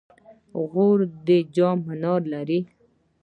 غور د جام منار لري